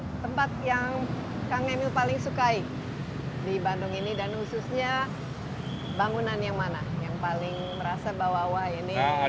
tempat yang kang emil paling sukai di bandung ini dan khususnya bangunan yang mana